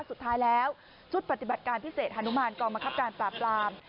สุดท้ายแล้วชุดปฏิบัติการพิเศษฮานุมานกองมะครับการปราบปราม